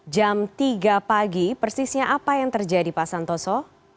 jam tiga pagi persisnya apa yang terjadi pak santoso